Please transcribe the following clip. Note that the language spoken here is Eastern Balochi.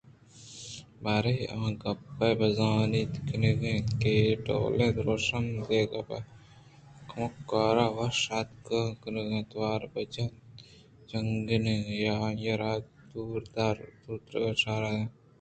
باریں آاے گپءَ پہ زانت کنگ ءَ اَت کہ اے ڈولیں درٛوشمءِ دیگ پہ کمکار ءَ وش اتک کنگ ءُ توار پر جَنگ اِنت یا آئی ءَ را دور روگ ءِ اشارہ اَنت